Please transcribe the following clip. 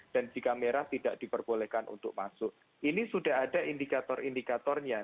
dan jika merah tidak diperbolehkan untuk masuk ini sudah ada indikator indikatornya